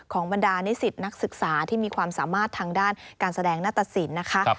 บรรดานิสิตนักศึกษาที่มีความสามารถทางด้านการแสดงหน้าตสินนะคะ